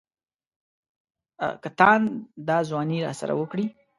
که تاند دا ځواني راسره وکړي.